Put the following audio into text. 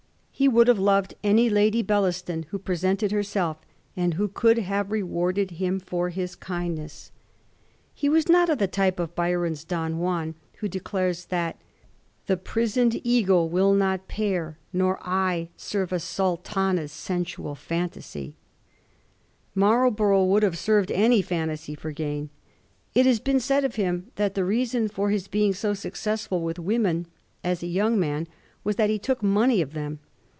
He would have loved any Lady Bellaston who presented herseli^ and who could have rewarded him for his kindness. He Digiti zed by Google 32 A HISTORY OF THE POUR GEORGES. ot. u. was not of the type of Byron's * Don Juan,' who declares that The priaoDed eagle will not pair, nor I Serve a Sultana's aensual phantasy. Marlborough would have served any phantasy for gam. It has been said of him that the reason for his being so successful with women as a young man was that he took money of them.